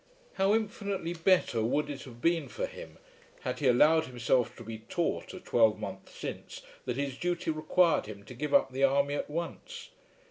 How infinitely better would it have been for him had he allowed himself to be taught a twelvemonth since that his duty required him to give up the army at once!